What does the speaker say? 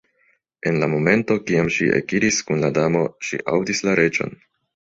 En la momento kiam ŝi ekiris kun la Damo, ŝi aŭdis la Reĝon.